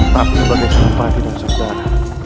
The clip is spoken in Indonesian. tapi sebagai sempati dan saudara